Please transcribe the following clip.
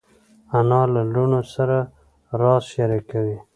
انا له لوڼو سره راز شریکوي